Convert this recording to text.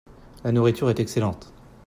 La nourriture est excellente.